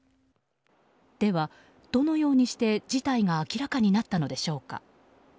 では、どのようにして事態が明らかになったのでしょうか。